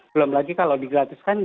belum lagi kalau digratiskan